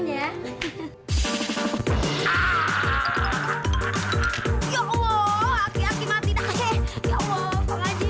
ya allah aku aku mati dah ya ya allah kamu maji